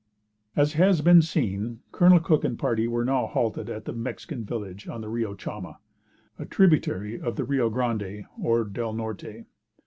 As has been seen, Col. Cook and party were now halted at a Mexican village on the Rio Chama, a tributary of the Rio Grande or del Norte.